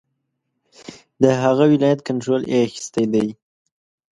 د هغه ولایت کنټرول یې اخیستی دی.